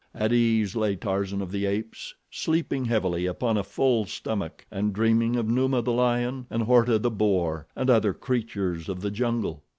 At ease lay Tarzan of the Apes, sleeping heavily upon a full stomach and dreaming of Numa, the lion, and Horta, the boar, and other creatures of the jungle.